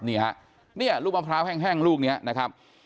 นี่ฮะเนี่ยลูกมะพร้าวแห้งลูกนี้นะครับ